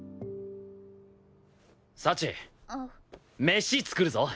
飯作るぞ！